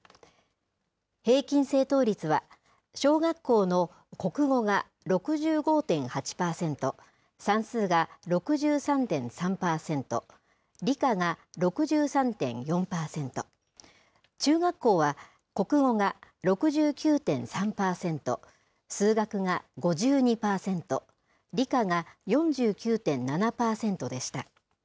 平均正答率は、小学校の国語が６５．８％、算数が６３．３％、理科が６３．４％、中学校は、国語が６９．３％、数学が５２％、理科が４９．７％でした。